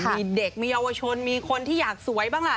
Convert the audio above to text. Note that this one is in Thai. มีเด็กมีเยาวชนมีคนที่อยากสวยบ้างล่ะ